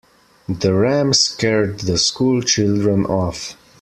The ram scared the school children off.